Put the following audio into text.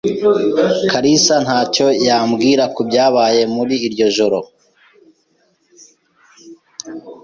kalisa ntacyo yambwira kubyabaye muri iryo joro.